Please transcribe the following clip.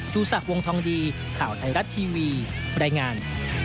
ชูศักดิ์วงทองดีข่าวไทยรัฐทีวีรายงาน